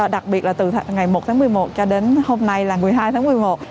đặc biệt là từ ngày một tháng một mươi một cho đến hôm nay là một mươi hai tháng một mươi một